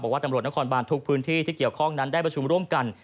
ว่าตำรวจนครบานทุกพื้นที่ที่เกี่ยวข้องนั้นได้ประชุมร่วมกัน